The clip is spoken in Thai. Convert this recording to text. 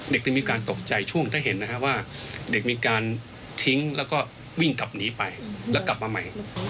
จะมีการตกใจช่วงถ้าเห็นนะฮะว่าเด็กมีการทิ้งแล้วก็วิ่งกลับหนีไปแล้วกลับมาใหม่